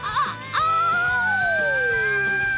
あ！